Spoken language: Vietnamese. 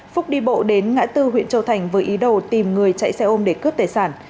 phúc đi bộ đến ngã tư huyện châu thành với ý đồ tìm người chạy xe ôm để cướp tài sản